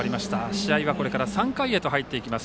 試合はこれから３回へ入っていきます。